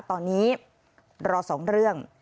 ตอนนี้รอ๒เรื่อง